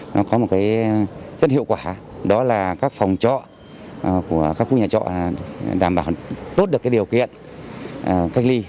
nó có một cái rất hiệu quả đó là các phòng trọ của các khu nhà trọ đảm bảo tốt được cái điều kiện cách ly